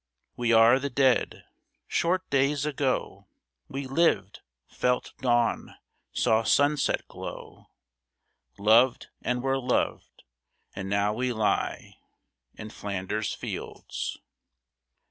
We are the Dead. Short days ago We lived, felt dawn, saw sunset glow, Loved, and were loved, and now we lie In Flanders fields.